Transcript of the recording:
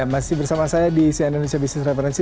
masih bersama saya di si indonesia business dan referensi